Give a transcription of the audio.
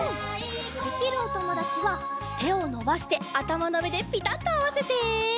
できるおともだちはてをのばしてあたまのうえでピタッとあわせて。